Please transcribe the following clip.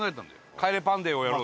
「帰れパンデー」をやろうって。